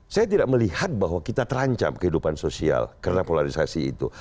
saya tidak melihat bahwa kita terancam kehidupan sosial karena polarisasi itu